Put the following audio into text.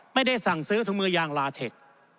ไม่ได้สั่งซื้อถุงมือยางลาเทค